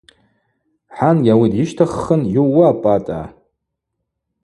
Хӏангьи ауи дйыщтаххын: Йыууа, Пӏатӏа.